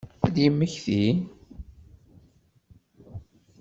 Ad yemmekti?